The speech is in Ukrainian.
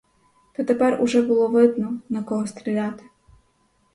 Та тепер уже було видно, на кого стріляти.